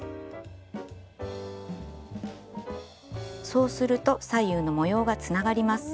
そうすると左右の模様がつながります。